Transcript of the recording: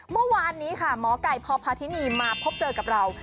เมื่อวานนี้ค่ะหมอไก่พพาธินีมาพบเจอกับเรา